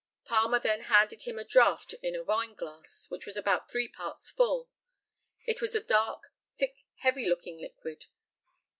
Palmer then handed him a draught in a wineglass, which was about three parts full. It was a dark, thick, heavy looking liquid.